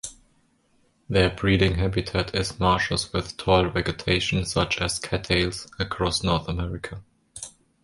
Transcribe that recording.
Their breeding habitat is marshes with tall vegetation such as cattails across North America.